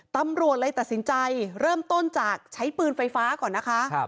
ตำรวจเลยตัดสินใจเริ่มต้นจากใช้ปืนไฟฟ้าก่อนนะคะ